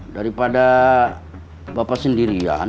daripada bapak sendirian